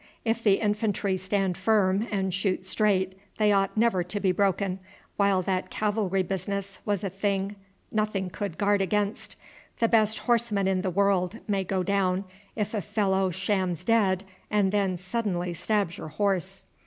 If the infantry stand firm and shoot straight they ought never to be broken, while that cavalry business was a thing nothing could guard against. The best horseman in the world may go down if a fellow shams dead and then suddenly stabs your horse."